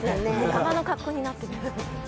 山の格好になってる。